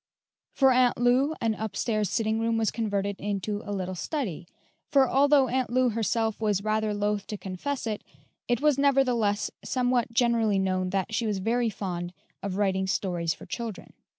For Aunt Lou an up stairs sitting room was converted into a little study; for although Aunt Lou herself was rather loath to confess it, it was nevertheless somewhat generally known that she was very fond of writing stories for children.